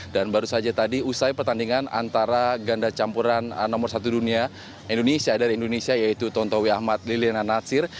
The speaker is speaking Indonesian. dan baru saja tadi usai pertandingan antara ganda campuran nomor satu dunia indonesia dari indonesia yaitu tontowi ahmad liliana natsir